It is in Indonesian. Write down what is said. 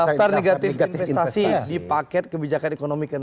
daftar negatif investasi di paket kebijakan ekonomi ke enam